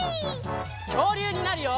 きょうりゅうになるよ！